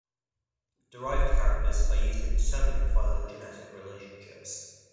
Derived characters are used in determining phylogenetic relationships.